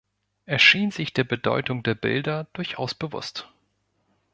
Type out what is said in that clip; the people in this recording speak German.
Er schien sich der Bedeutung der Bilder durchaus bewusst.